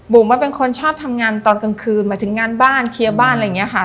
เป็นคนชอบทำงานตอนกลางคืนหมายถึงงานบ้านเคลียร์บ้านอะไรอย่างนี้ค่ะ